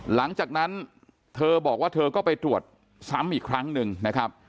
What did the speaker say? หลังจากนั้นเธอบอกว่าเธอก็ไปตรวจซ้ำอีกครั้งหนึ่งนะครับ